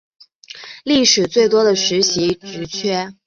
历届最多的实习职缺